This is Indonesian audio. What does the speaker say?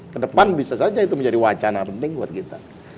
kedepan bisa saja itu menjadi wacana penting buat kita